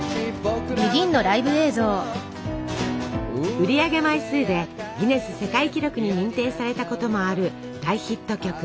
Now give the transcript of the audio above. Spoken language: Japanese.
売り上げ枚数でギネス世界記録に認定されたこともある大ヒット曲。